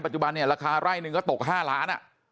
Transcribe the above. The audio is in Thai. ราคาไร่นึงก็ตก๕ล้าน